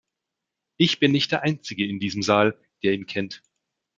Ich bin nicht der einzige in diesem Saal, der ihn kennt.